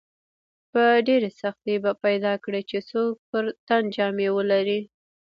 په ډېرې سختۍ به پیدا کړې چې څوک پر تن جامې ولري.